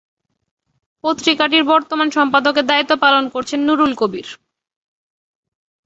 পত্রিকাটির বর্তমান সম্পাদকের দায়িত্ব পালন করছেন নুরুল কবির।